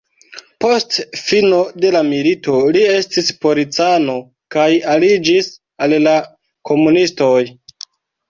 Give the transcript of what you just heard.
Post fino de la milito li estis policano kaj aliĝis al la komunistoj.